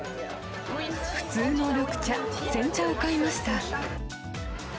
普通の緑茶、煎茶を買いました。